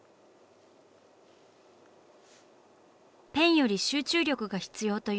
ペンより集中力が必要という筆。